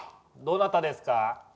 どなたですか？